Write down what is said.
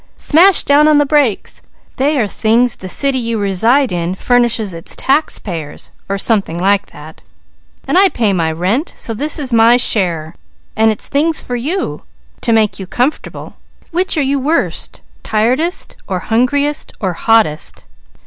Smash down on the brakes! They are things the city you reside in furnishes its taxpayers, or something like that. I pay my rent, so this is my share, and it's things for you: to make you comfortable. Which are you worst tiredest, or hungriest, or hottest?"